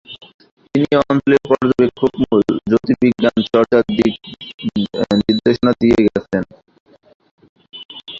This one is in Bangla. তিনি এ অঞ্চলে পর্যবেক্ষণমূলক জ্যোতির্বিজ্ঞান চর্চার দিক নির্দেশনা দিয়ে গেছেন।